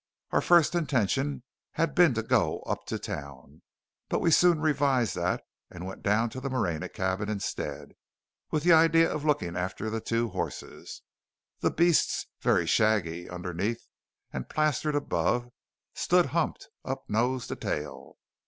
Our first intention had been to go up to town; but we soon revised that, and went down to the Moreña cabin instead, with the idea of looking after the two horses. The beasts, very shaggy underneath and plastered above, stood humped up nose to tail.